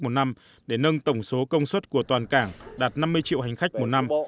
một năm để nâng tổng số công suất của toàn cảng đạt năm mươi triệu hành khách một năm